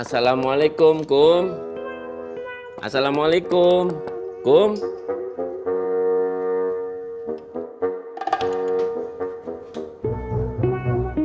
assalamualaikum kum assalamualaikum kum